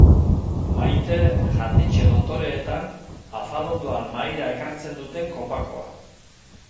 Maite, jatetxe dotoreetan, afalondoan mahaira ekartzen duten kopakoa.